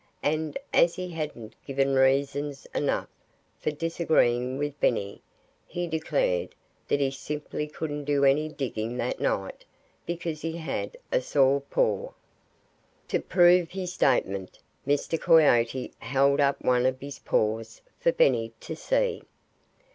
And as if he hadn't given reasons enough for disagreeing with Benny, he declared that he simply couldn't do any digging that night because he had a sore paw. To prove his statement, Mr. Coyote held up one of his paws for Benny to see.